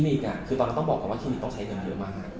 เกมิกอ่ะคือตอนนั้นต้องบอกกันว่าเกมิกต้องใช้เงินเยอะมาก